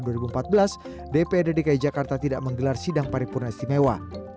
dprd dki jakarta tidak menggelar sidang paripurna istimewa